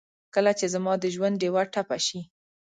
کله چې زما دژوندډېوه ټپه شي